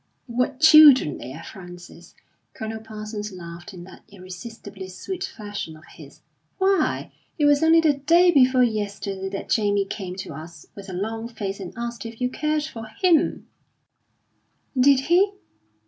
What children they are, Frances!" Colonel Parsons laughed in that irresistibly sweet fashion of his. "Why, it was only the day before yesterday that Jamie came to us with a long face and asked if you cared for him." "Did he?"